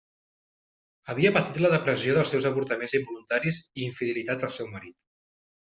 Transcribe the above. Havia patit la depressió dels seus avortaments involuntaris i infidelitats del seu marit.